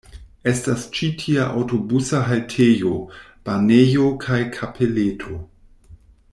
Estas ĉi tie aŭtobusa haltejo, banejo kaj kapeleto.